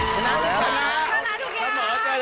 เสาคำยันอาวุธิ